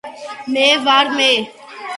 მე ვერ მე